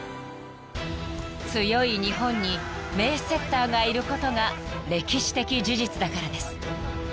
［強い日本に名セッターがいることが歴史的事実だからです］